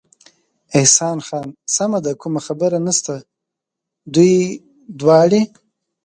احسان خان: سمه ده، کومه خبره نشته، دوی دواړې.